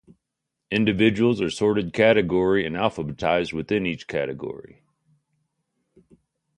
Individuals are sorted by category and alphabetized within each category.